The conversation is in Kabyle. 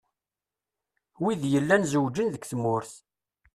Wid yellan zewjen deg tmurt.